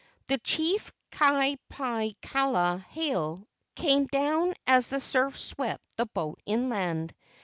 The chief Ka pali kala hale came down as the surf swept the boat inland.